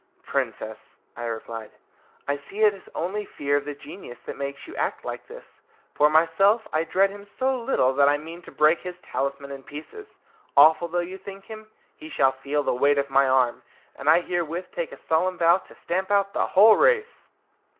"Princess," I replied, "I see it is only fear of the genius that makes you act like this. For myself, I dread him so little that I mean to break his talisman in pieces! Awful though you think him, he shall feel the weight of my arm, and I herewith take a solemn vow to stamp out the whole race."